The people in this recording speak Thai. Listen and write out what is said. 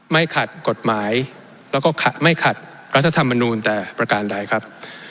ไม่ขัดกฎหมายแล้วก็ไม่ขัดรัฐธรรมนูลแต่ประการใดครับ